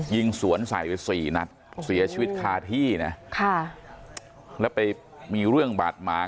ยิงสวนใส่ไปสี่นัดเสียชีวิตคาที่นะค่ะแล้วไปมีเรื่องบาดหมาง